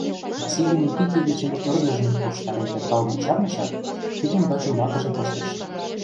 Василий Никитьевичын ӧрдыжшым корштарен перкалымым чарнышат, кидым вачӱмбакыже пыштыш.